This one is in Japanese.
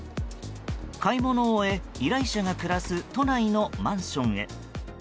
買い物を終え、依頼者が暮らす都内のマンションへ。